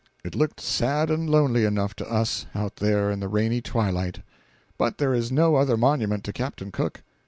It looked sad and lonely enough to us, out there in the rainy twilight. But there is no other monument to Captain Cook.